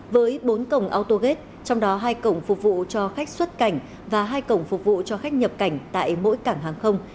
với bốn cổng autogate trong đó hai cổng phục vụ cho khách xuất cảnh và hai cổng phục vụ cho khách nhập cảnh tại mỗi cảng hàng không